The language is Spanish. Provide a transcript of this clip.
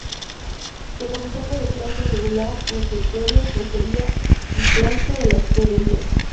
Se comenzó por el claustro regular, refectorio, portería y claustro de la hospedería.